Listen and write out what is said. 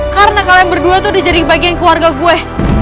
karena kalian berdua tuh udah jadi bagian keluarga gue